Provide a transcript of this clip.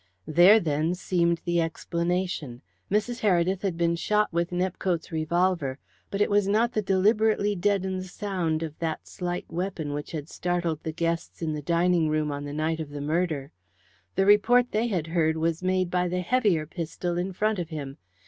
There, then, seemed the explanation. Mrs. Heredith had been shot with Nepcote's revolver, but it was not the deliberately deadened sound of that slight weapon which had startled the guests in the dining room on the night of the murder. The report they had heard was made by the heavier pistol in front of him.